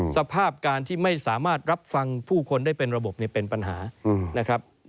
สภาพการที่ไม่สามารถรับฟังผู้คนได้เป็นระบบเป็นปัญหานะครับ